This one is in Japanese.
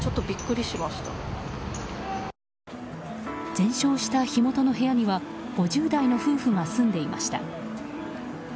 全焼した火元の部屋には５０代の夫婦が住んでいました。